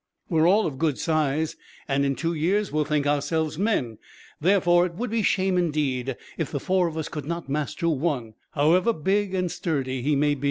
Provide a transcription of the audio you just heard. We are all of good size, and in two years will think ourselves men; therefore it would be shame, indeed, if the four of us could not master one, however big and sturdy he may be."